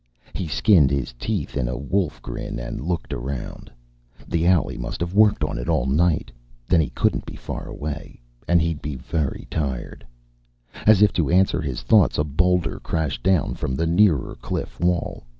He skinned his teeth in a wolf grin and looked around. The owlie must have worked all night on it. Then he couldn't be far away and he'd be very tired As if to answer his thoughts, a boulder crashed down from the nearer cliff wall.